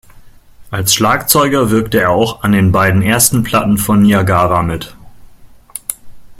Als Schlagzeuger wirkte er auch an den beiden ersten Platten von Niagara mit.